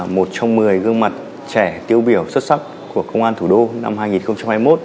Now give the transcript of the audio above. một trong một mươi gương mặt trẻ tiêu biểu xuất sắc của công an thủ đô năm hai nghìn hai mươi một